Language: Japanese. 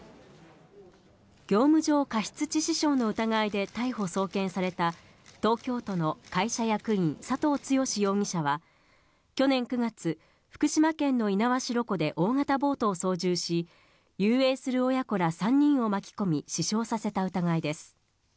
業務上過失致死傷の疑いで逮捕・送検された東京都の会社役員、佐藤剛容疑者は、去年９月、福島県の猪苗代湖で大型ボートを操縦し、遊泳する親子ら３人を巻き込み、死傷させた疑いです。